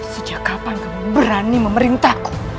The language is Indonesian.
sejak kapan kamu berani memerintahku